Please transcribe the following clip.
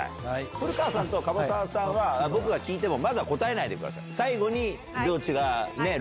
古川さんと加羽沢さんは僕が聞いても答えないでください。